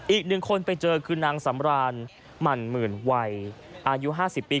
อีกหนึ่งคนไปเจอคือนางสำรานหมั่นหมื่นวัยอายุ๕๐ปี